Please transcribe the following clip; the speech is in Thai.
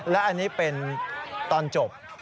และอันนี้เป็นตอนจบ